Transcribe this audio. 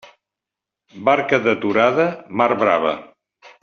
Barca deturada, mar brava.